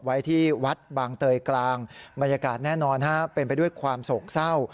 ไว้ที่วัดบางเตยกลางบรรยากาศแน่นอนฮะเป็นไปด้วยความโศกเศร้า